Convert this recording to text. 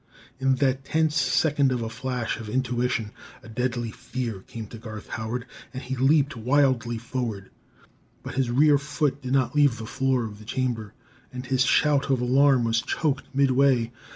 In that tense second a flash of intuition, of deadly fear, came to Garth Howard, and he leaped wildly forward. But his rear foot did not leave the floor of the chamber, and his shout of alarm was choked midway.